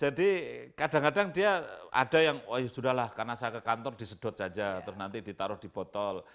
jadi kadang kadang dia ada yang oh ya sudah lah karena saya ke kantor disedot saja atau nanti ditaruh di botol